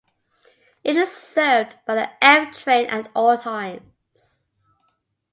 It is served by the F train at all times.